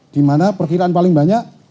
karena perkiraan paling banyak